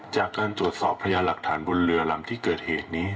จากการตรวจสอบพยานหลักฐานบนเรือลำที่เกิดเหตุนี้